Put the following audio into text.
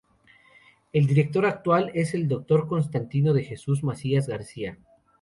El director actual es el Dr. Constantino de Jesús Macías García.